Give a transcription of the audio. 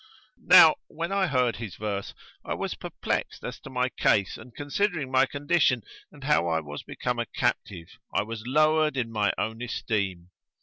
Now when I heard his verse, I was perplexed as to my case and considering my condition and how I was become a captive, I was lowered in my own esteem.